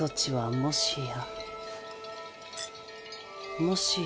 もしや。